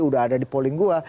udah ada di polling gue